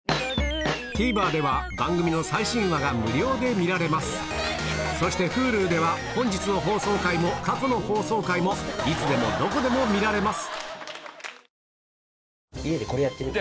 ＴＶｅｒでは番組の最新話が無料で見られますそしてＨｕｌｕでは本日の放送回も過去の放送回もいつでもどこでも見られます